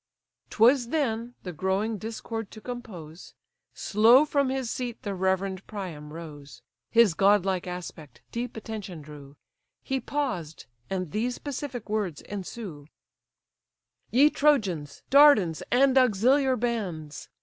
'Twas then, the growing discord to compose, Slow from his seat the reverend Priam rose: His godlike aspect deep attention drew: He paused, and these pacific words ensue: "Ye Trojans, Dardans, and auxiliar bands!